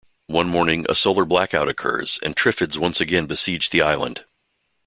One morning, a solar blackout occurs and triffids once again besiege the island.